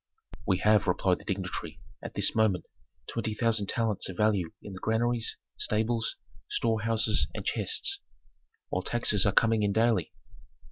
"We have," replied the dignitary, "at this moment twenty thousand talents of value in the granaries, stables, storehouses, and chests, while taxes are coming in daily."